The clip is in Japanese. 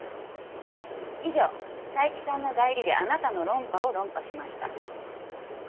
以上斉木さんの代理であなたの論破を論破しました。